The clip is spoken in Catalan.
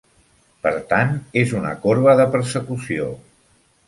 Per tant, és una corba de persecució.